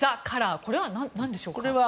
これは何でしょうか？